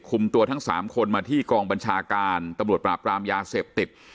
คุมตัวทั้ง๓คนมาที่กองบัญชาการตำรวจปราบรามยาเสพติด